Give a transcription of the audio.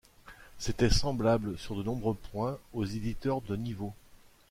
C'était semblable sur de nombreux points aux éditeurs de niveau.